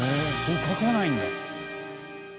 そう書かないんだ。